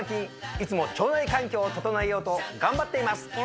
いつも腸内環境を整えようと頑張っています！